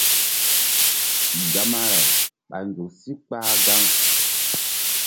Gamaray ɓa nzuk sí kpah gaŋ.